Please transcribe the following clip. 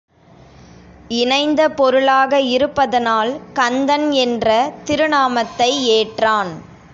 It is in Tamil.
இணைந்த பொருளாக இருப்பதனால் கந்தன் என்ற திருநாமத்தை ஏற்றான்.